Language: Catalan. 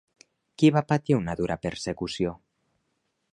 Qui va patir una dura persecució?